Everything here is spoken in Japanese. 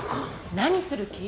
何する気？